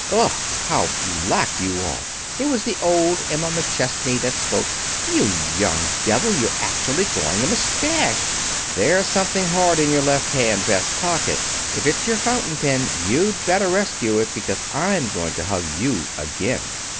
"Ugh! how black you are!" It was the old Emma McChesney that spoke. "You young devil, you're actually growing a mustache! There's something hard in your left hand vest pocket. If it's your fountain pen you'd better rescue it, because I'm going to hug you again."